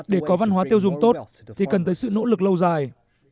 để có văn hóa tiêu dùng tốt thì cần tới sự nỗ lực lâu dài